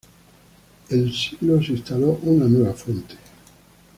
El el siglo se instaló una nueva fuente.